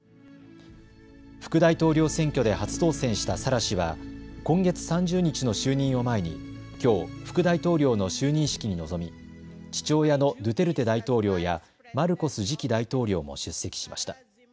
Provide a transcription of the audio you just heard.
副大統領選挙で初当選したサラ氏は今月３０日の就任を前にきょう副大統領の就任式に臨み父親のドゥテルテ大統領やマルコス次期大統領も出席しました。